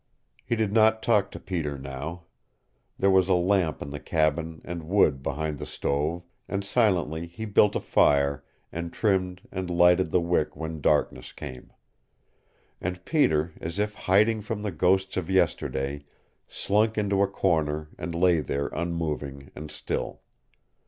He did not talk to Peter now. There was a lamp in the cabin and wood behind the stove, and silently he built a fire and trimmed and lighted the wick when darkness came. And Peter, as if hiding from the ghosts of yesterday, slunk into a corner and lay there unmoving and still.